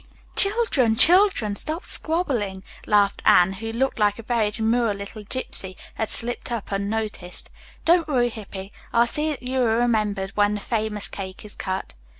"Children, children, stop squabbling," laughed Anne who, looking like a very demure little gypsy, had slipped up unnoticed. "Don't worry, Hippy, I'll see that you are remembered when the famous cake is cut."